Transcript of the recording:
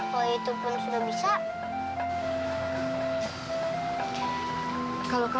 dosa deh sudah tahu kan